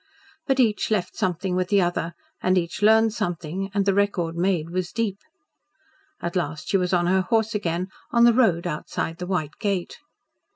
But each left something with the other and each learned something; and the record made was deep. At last she was on her horse again, on the road outside the white gate.